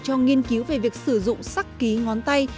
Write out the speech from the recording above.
cho nghiên cứu về việc sử dụng sắc ký ngón tay